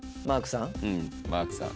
マークさん？